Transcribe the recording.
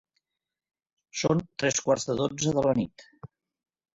Són tres quarts de dotze de la nit.